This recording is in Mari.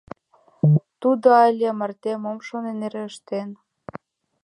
Тудо але марте мом шонен — эре ыштен.